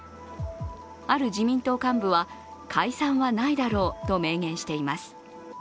ある自民党幹部は、解散はないだろうと明言しています。